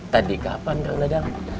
tadi kapan kang dadang